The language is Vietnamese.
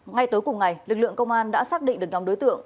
ngay tối cùng ngày lực lượng công an đã xác định được nhóm đối tượng